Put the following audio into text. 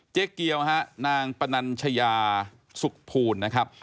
เจ๊เกียวฮะนางปนัญชยาสุขภูลนะครับ